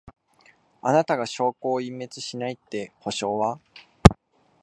あなたが証拠を隠滅しないって保証は？